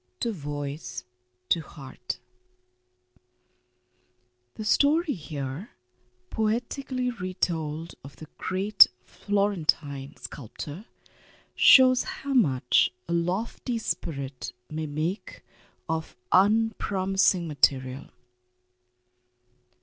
_ THE STONE REJECTED The story here poetically retold of the great Florentine sculptor shows how much a lofty spirit may make of unpromising material.